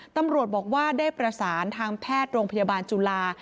ตำรวจบอกว่าได้ประสานทางแพทย์โรงพยาบาลจุฬา